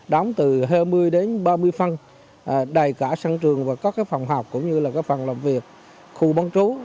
đóng từ hai mươi đến ba mươi phân đầy cả sân trường và các phòng học cũng như là các phòng làm việc khu bán trú